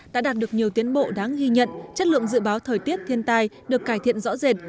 đã đạt được nhiều tiến bộ đáng ghi nhận chất lượng dự báo thời tiết thiên tai được cải thiện rõ rệt